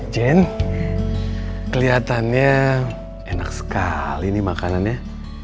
jen kelihatannya enak sekali nih makanannya